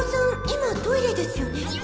今トイレですよね？